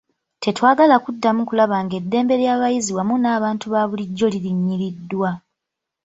Tetwagala kuddamu kulaba ng'eddembe ly'abayizi wamu n'abantu babulijjo lirinyiriddwa.